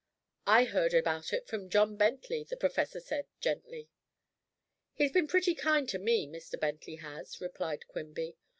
"I heard about it from John Bentley," the professor said gently. "He's been pretty kind to me, Mr. Bentley has," replied Quimby.